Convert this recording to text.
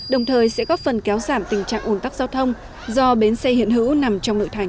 đồng thời sẽ góp phần kéo giảm tình trạng ồn tắc giao thông do bến xe hiện hữu nằm trong nội thành